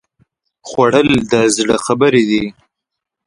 خوړل د زړه خبرې دي